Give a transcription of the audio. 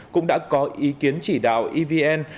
cũng đã có ý kiến chỉ đạo evn